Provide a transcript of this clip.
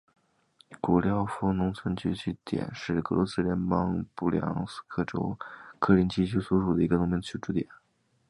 古廖夫卡农村居民点是俄罗斯联邦布良斯克州克林齐区所属的一个农村居民点。